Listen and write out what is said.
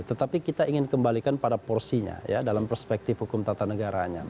tetapi kita ingin kembalikan pada porsinya ya dalam perspektif hukum tata negaranya